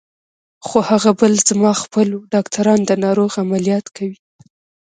خو هغه بل زما خپل و، ډاکټران د ناروغ عملیات کوي.